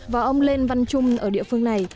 và ông lên văn trung ở địa phương này